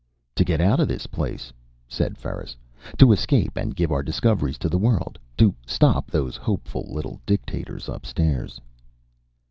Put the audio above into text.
"To get out of this place!" said Ferris. "To escape and give our discoveries to the world. To stop those hopeful little dictators upstairs."